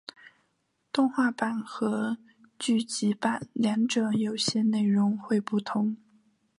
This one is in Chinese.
动画版和剧集版两者有些内容会不同。